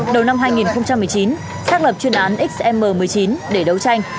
đầu năm hai nghìn một mươi chín xác lập chuyên án xm một mươi chín để đấu tranh